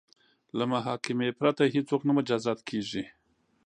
له محاکمې پرته هیڅوک نه مجازات کیږي.